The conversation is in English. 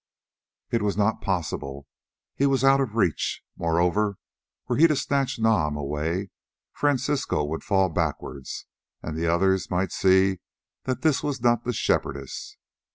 It was not possible, he was out of reach; moreover, were he to snatch Nam away, Francisco would fall backwards, and the others might see that this was not the Shepherdess.